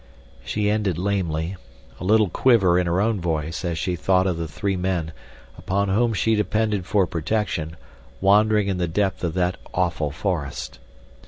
She ended lamely, a little quiver in her own voice as she thought of the three men, upon whom she depended for protection, wandering in the depth of that awful forest.